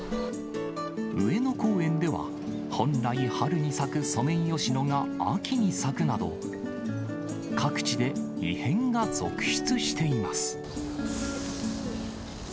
上野公園では、本来、春に咲くソメイヨシノが秋に咲くなど、各地で異変が続出しています。